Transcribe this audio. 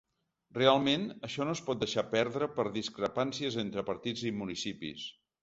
Realment, això no es pot deixar perdre per discrepàncies entre partits i municipis.